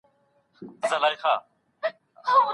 تخیل د نوې نړۍ د جوړولو لپاره دی.